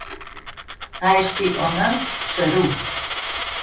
Ащ къеӏомэ, щэрыу!